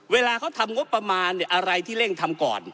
เวลาเขาทำงบประมาณอะไรที่เร่งทำก่อน